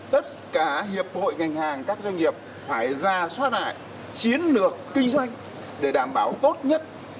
tất cả hiệp hội ngành hàng các doanh nghiệp phải ra soát lại chiến lược kinh doanh để đảm bảo tốt nhất